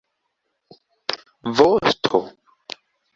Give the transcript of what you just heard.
vosto